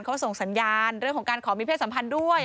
เขาส่งสัญญาณเรื่องของการขอมีเพศสัมพันธ์ด้วย